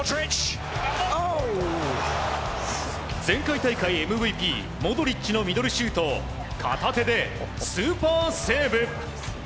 前回大会ＭＶＰモドリッチのミドルシュートを片手でスーパーセーブ！